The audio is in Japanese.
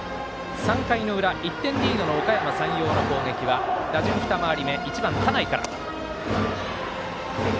３回の裏、１点リードのおかやま山陽の攻撃は打順２回り目、１番、田内から。